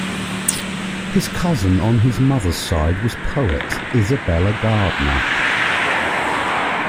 His cousin on his mother's side was poet Isabella Gardner.